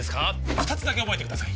二つだけ覚えてください